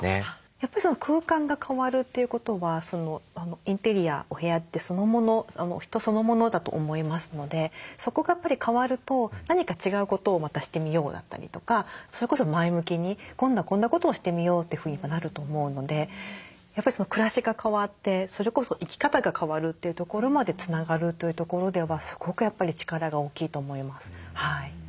やっぱり空間が変わるということはインテリアお部屋ってそのもの人そのものだと思いますのでそこが変わると何か違うことをまたしてみようだったりとかそれこそ前向きに今度はこんなことをしてみようってふうになると思うのでやっぱり暮らしが変わってそれこそ生き方が変わるというところまでつながるというところではすごくやっぱり力が大きいと思います。